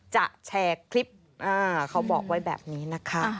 จะแชร์คลิปเขาบอกไว้แบบนี้นะคะ